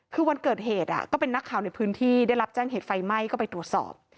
คือวันเกิดเหตุก็เป็นนักข่าวในพื้นที่ได้รับแจ้งเหตุไฟไหม้ก็ไปตรวจสอบ